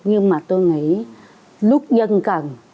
nhưng mà tôi nghĩ lúc dân cần